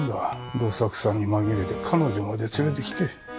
どさくさに紛れて彼女まで連れてきて。